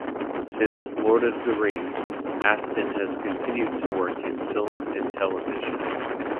Since "Lord of the Rings", Astin has continued to work in film and television.